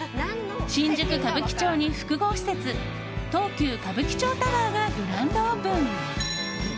新宿・歌舞伎町に、複合施設東急歌舞伎町タワーがグランドオープン！